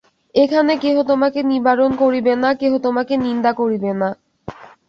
এখানে কেহ তোমাকে নিবারণ করিবে না, কেহ তোমাকে নিন্দা করিবে না।